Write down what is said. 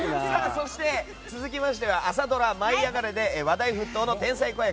続きましては朝ドラ「舞いあがれ！」で話題沸騰の天才子役